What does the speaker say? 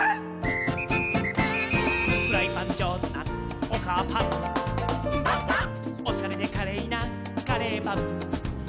「フライパンじょうずなおかあパン」「」「おしゃれでかれいなカレーパン」「」